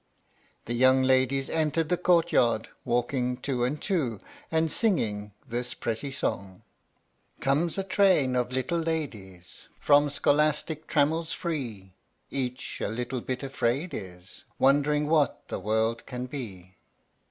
The young ladies entered the courtyard, walking two and two, and singing this pretty song : Comes a train of little ladies From scholastic trammels free, Each a little bit afraid is, Wondering what the world can be!